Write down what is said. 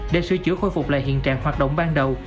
để sửa chữa khôi phục lại hiện trạng hoạt động ban đầu